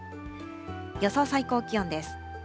予想最高気温です。